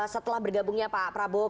setelah bergabungnya pak prabowo